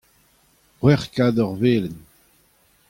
c'hwec'h kador velen.